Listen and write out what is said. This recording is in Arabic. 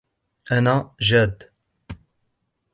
أنا جاد.